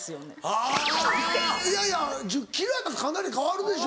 あいやいや１０ｋｇやったらかなり変わるでしょ。